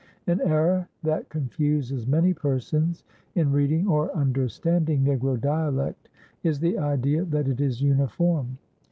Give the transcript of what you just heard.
An error that confuses many persons in reading or understanding Negro dialect is the idea that it is uniform.